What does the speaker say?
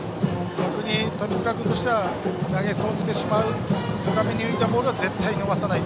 逆に富塚君としては投げ損じてしまう高めのボールは絶対に逃さない。